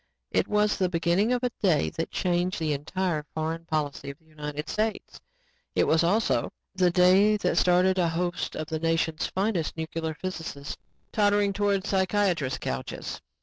It was the beginning of a day that changed the entire foreign policy of the United States. It was also the day that started a host of the nation's finest nuclear physicists tottering towards psychiatrists' couches.